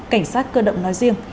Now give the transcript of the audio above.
cảnh sát cơ động nói riêng